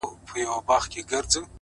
هره هڅه د ځان باور زیاتوي’